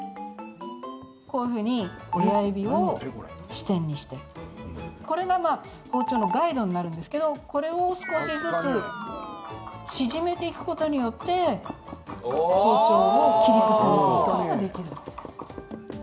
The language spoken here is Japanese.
こういうふうに親指を支点にして、これが包丁のガイドになるんですけどこれを少しずつ縮めていくことによって包丁を切り進めていくことができるわけです。